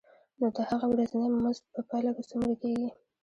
نو د هغه ورځنی مزد په پایله کې څومره کېږي